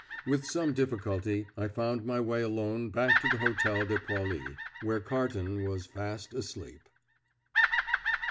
With some difficulty I found my way alone back to the Hotel de Poilly, where Carton was fast asleep.